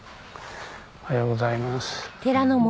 おはようございます。